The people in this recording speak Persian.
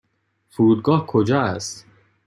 فرودگاه کجا است؟